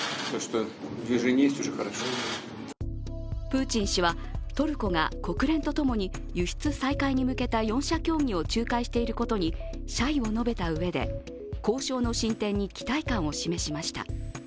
プーチン氏は、トルコが国連とともに輸出再開に向けた４者協議を仲介していることに謝意を述べたうえで交渉の進展に期待感を示しました。